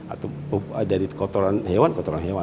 atau dari kotoran hewan kotoran hewan